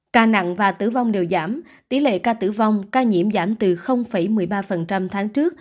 ca nặng và tử vong đều giảm tỷ lệ ca tử vong ca nhiễm giảm từ một mươi ba